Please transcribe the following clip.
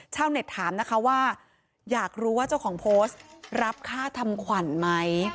เน็ตถามนะคะว่าอยากรู้ว่าเจ้าของโพสต์รับค่าทำขวัญไหม